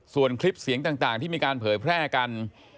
ส่วนคลิปเสียงต่างที่มีการเผยแพร่กัน